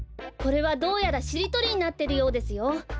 これはどうやらしりとりになってるようですよ。